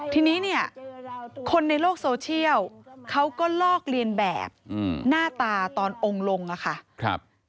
ทีนี้เนี่ยคนในโลกโซเชียลเขาก็ลอกเลียนแบบหน้าตาตอนองค์ลงอะค่ะ